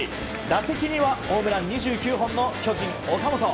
打席にはホームラン２９本の巨人、岡本。